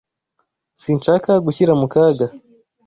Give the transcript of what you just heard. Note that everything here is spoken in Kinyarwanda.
Sinshaka gushyira mu kaga.